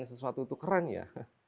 sesuatu itu keren ya